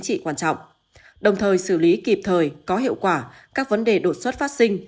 trị quan trọng đồng thời xử lý kịp thời có hiệu quả các vấn đề đột xuất phát sinh